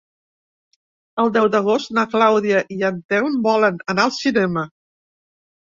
El deu d'agost na Clàudia i en Telm volen anar al cinema.